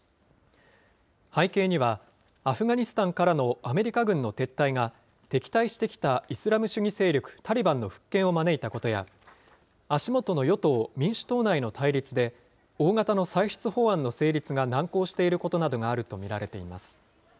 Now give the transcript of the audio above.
背景には、アフガニスタンからのアメリカ軍の撤退が敵対してきたイスラム主義勢力タリバンの復権を招いたことや、足元の与党・民主党内の対立で大型の歳出法案の成立が難航していることなどがあると見られています。